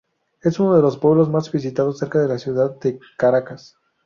Es uno de los pueblos más visitados cerca de la ciudad de Caracas.